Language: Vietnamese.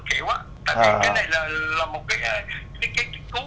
để mà cho